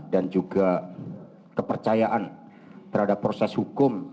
dan juga kepercayaan terhadap proses hukum